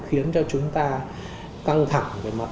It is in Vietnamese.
khiến cho chúng ta căng thẳng